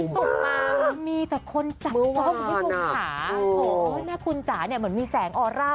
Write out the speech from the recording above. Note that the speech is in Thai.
ซุปตามีแต่คนจัดห้องให้วงหาโอ้โหแม่คุณจ๋าเนี่ยเหมือนมีแสงออร่า